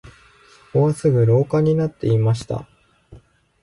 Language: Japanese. そこはすぐ廊下になっていました